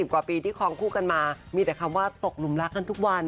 กว่าปีที่คลองคู่กันมามีแต่คำว่าตกหนุ่มรักกันทุกวัน